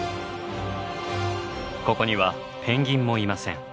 ここにはペンギンもいません。